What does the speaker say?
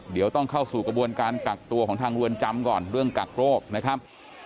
เดี๋ยวต้องเข้าสู่กระบวนการกักตัวของทางรวนจำก่อนเรื่องกักโรคนะครับ